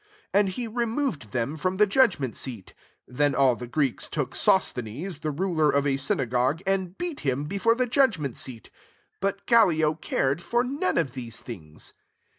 16 And he removed them from the judgment seat. 17 Then all [the Greeks^ took Sosthenes, the ruler of a synagogue, and beat him before the judgment seat But Gallio cared for none of those things.